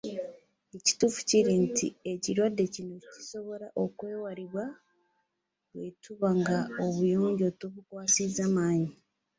Ekituufu kiri nti ekirwadde kino kisobola okwewalibwa bwe tuba nga obuyonjo tubukwasizza maanyi